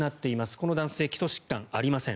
この男性、基礎疾患ありません。